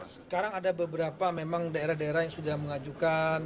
sekarang ada beberapa memang daerah daerah yang sudah mengajukan